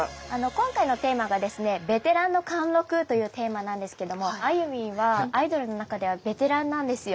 今回のテーマがですね「ベテランの貫禄」というテーマなんですけどもあゆみんはアイドルの中ではベテランなんですよ。